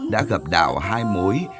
đã gặp đảo hai mối